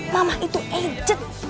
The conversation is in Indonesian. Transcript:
mama itu ejek